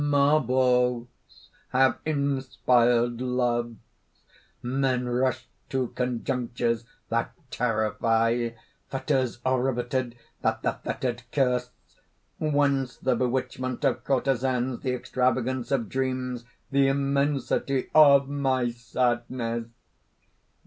Marbles have inspired loves. Men rush to conjunctures that terrify. Fetters are riveted that the fettered curse. Whence the bewitchment of courtesans, the extravagance of dreams, the immensity of my sadness?"